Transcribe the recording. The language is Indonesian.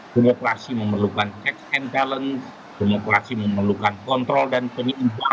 demokrasi memerlukan cash and talent demokrasi memerlukan kontrol dan penyimpang